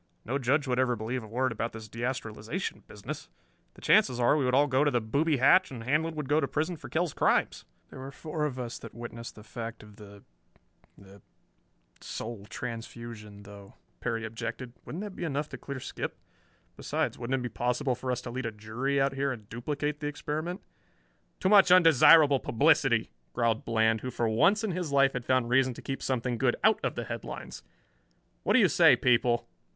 "No judge would ever believe a word about this de astralization business. The chances are we would all go to the booby hatch and Handlon would go to prison for Kell's crimes." "There were four of us that witnessed the fact of the the soul transfusion, though," Perry objected. "Wouldn't that be enough to clear Skip? Besides, wouldn't it be possible for us to lead a jury out here and duplicate the experiment?" "Too much undesirable publicity," growled Bland, who for once in his life had found reason to keep something good out of the headlines. "What do you say, people?"